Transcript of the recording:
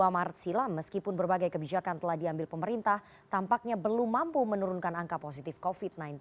dua puluh maret silam meskipun berbagai kebijakan telah diambil pemerintah tampaknya belum mampu menurunkan angka positif covid sembilan belas